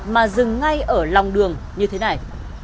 mà dừng ngay ở lòng đường như thế này